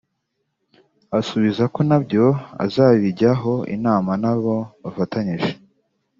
asubiza ko nabyo azabijyaho inama n’abo bafatanije